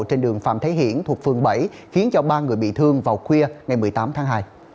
trên đường phạm thế hiển thuộc phường bảy khiến cho ba người bị thương vào khuya ngày một mươi tám tháng hai